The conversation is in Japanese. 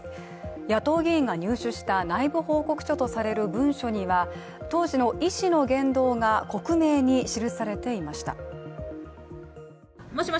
野党議員が入手した内部報告書とされる文書には当時の医師の言動が克明に記されていました。